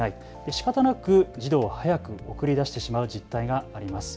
しかたなく児童を早くを送り出してしまう実態があります。